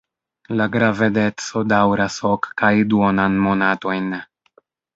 La gravedeco daŭras ok kaj duonan monatojn.